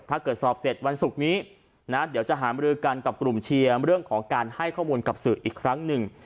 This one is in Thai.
สอบเสร็จวันศุกร์นี้นะเดี๋ยวจะหามรือกันกับกลุ่มเชียร์เรื่องของการให้ข้อมูลกับสื่ออีกครั้งหนึ่ง